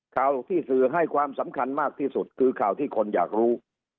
ข่าวที่สื่อให้ความสำคัญมากที่สุดคือข่าวที่คนอยากรู้